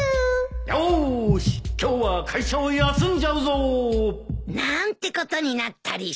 よし今日は会社を休んじゃうぞなんてことになったりして。